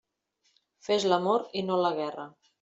Fes l'amor i no la guerra.